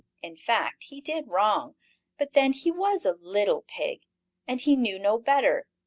In fact he did wrong, but then he was a little pig, and he knew no better.